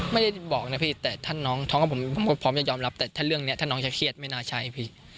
ไม่ได้บอกนะพี่แต่ถ้าน้องท้องผมก็พร้อมจะยอมรับแต่ถ้าเรื่องนี้ถ้าน้องจะเครียดไม่น่าใช่พี่